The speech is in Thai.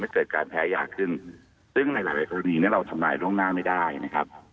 เกิดการแพ้ยาขึ้นซึ่งในหลายครั้งไหนเราทำนายล่วงหน้าไม่ได้